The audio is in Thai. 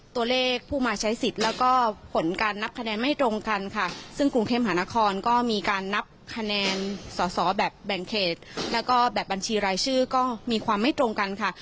ตัวเลขผู้มาใช้สิทธิ์แล้วก็ผลการนับคะแนนไม่ตรงกันค่ะซึ่งกรุงเทพหานครก็มีการนับคะแนนสอสอแบบแบ่งเขตแล้วก็แบบบัญชีรายชื่อก็มีความไม่ตรงกันค่ะ